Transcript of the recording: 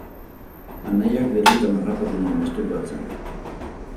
Anaiak birritan harrapatu nau masturbatzen.